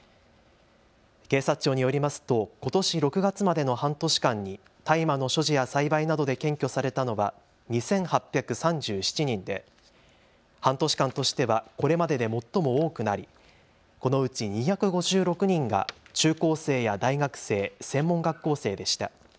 警察庁によりますと、ことし６月までの半年間に大麻の所持や栽培などで検挙されたのは２８３７人で半年間としてはこれまでで最も多くなりこのうち２５６人が中高生や大学生、専門学校生でした。